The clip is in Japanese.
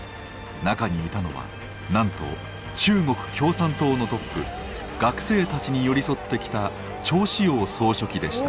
中にいたのはなんと中国共産党のトップ学生たちに寄り添ってきた趙紫陽総書記でした。